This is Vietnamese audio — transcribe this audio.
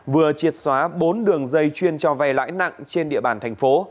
vừa triệt xóa bốn đường dây chuyên cho vay lãi nặng trên địa bàn thành phố